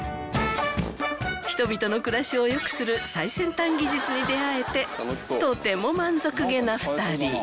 人々の暮らしを良くする最先端技術に出合えてとても確かに。